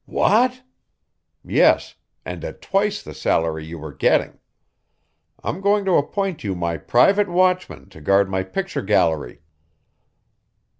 "What?" "Yes, and at twice the salary you were getting. I'm going to appoint you my private watchman to guard my picture gallery."